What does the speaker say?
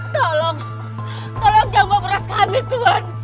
tolong tolong jangan bawa beras kami tuhan